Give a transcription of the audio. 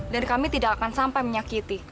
dan kami tidak akan sampai menyakiti